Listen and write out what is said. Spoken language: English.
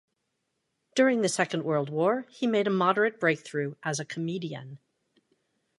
During the Second World War he made a moderate breakthrough as a comedian.